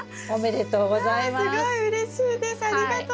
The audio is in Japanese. ありがとうございます。